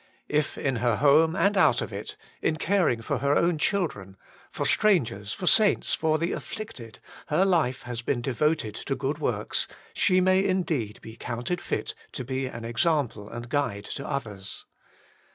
If in her home and out of it, in caring f6r her own children, for strangers, for saints, for the afflicted, her life has been devoted to good works, she may indeed be counted fit to be an example and guide to others.